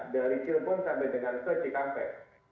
dari cirebon sampai dengan ke cikampek